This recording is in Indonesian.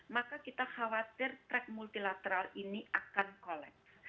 saya khawatir trak multilateral ini akan kolaps